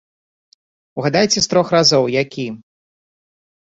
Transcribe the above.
Угадайце з трох разоў, які?